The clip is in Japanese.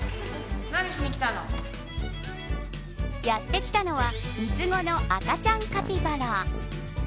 やってきたのは三つ子の赤ちゃんカピバラ。